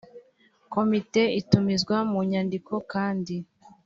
komite itumizwa mu nyandiko kandi